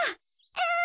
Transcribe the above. うん。